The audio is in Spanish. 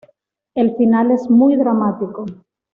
El final es muy dramático.